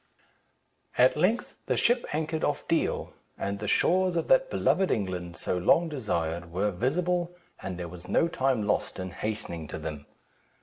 At length the ship anchored off Deal, and the shores of that beloved England, so long desired, were visible, and there was no time lost in hastening to them.